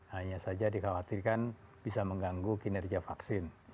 hanya saja dikhawatirkan bisa mengganggu kinerja vaksin